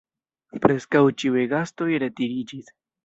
Preskaŭ ĉiuj gastoj retiriĝis.